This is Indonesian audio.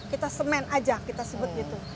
kita semen aja kita sebut gitu